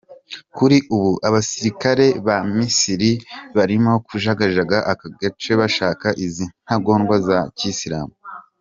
Kuri ubu abasirikare ba Misiri barimo kujagajaga aka gace bashaka izi ntangondwa za kiyisilamu.